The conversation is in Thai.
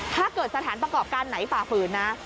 ถ้าเกิดสถานประกอบการไหนฝ่าฝืนนะ